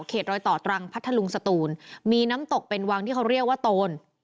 รอยต่อตรังพัทธลุงสตูนมีน้ำตกเป็นวังที่เขาเรียกว่าโตน